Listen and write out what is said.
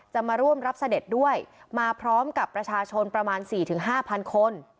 มาร่วมรับเสด็จด้วยมาพร้อมกับประชาชนประมาณ๔๕๐๐คน